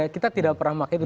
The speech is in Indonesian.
kita tidak pernah makan itu